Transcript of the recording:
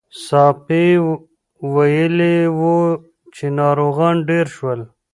ساپی ویلي وو چې ناروغان ډېر شول.